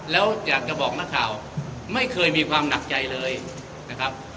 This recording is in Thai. แล้วอยากจะบอกนักข่าวไม่เคยมีความหนักใจเลยนะครับ